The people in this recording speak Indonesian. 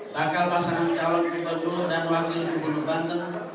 bakal pasangan calon gubernur dan wakil gubernur banten